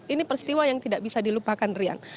ini peristiwa yang tidak bisa dilupakan rian